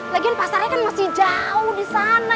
lagian pasarnya kan masih jauh disana